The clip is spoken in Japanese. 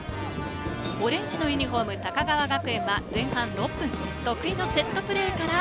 オレンジのユニホーム、高川学園は前半６分、得意のセットプレーから。